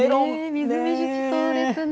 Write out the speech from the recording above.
みずみずしそうですね。